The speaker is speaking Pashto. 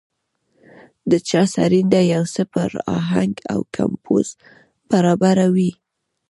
د چا سرېنده يو څه پر اهنګ او کمپوز برابره وي.